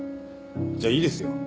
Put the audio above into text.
じゃいいですよ